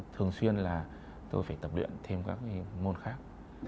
thường xuyên là tôi phải tập luyện thêm các môn khác